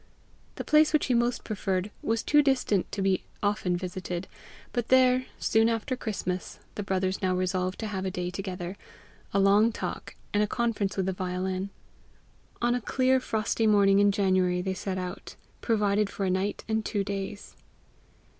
The place which he most preferred was too distant to be often visited; but there, soon after Christmas, the brothers now resolved to have a day together, a long talk, and a conference with the violin. On a clear frosty morning in January they set out, provided for a night and two days.